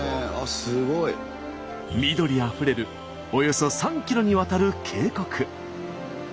すごい！緑あふれるおよそ３ｋｍにわたる渓谷。